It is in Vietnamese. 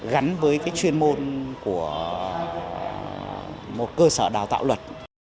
gắn với cái chuyên môn của một cơ sở đào tạo luật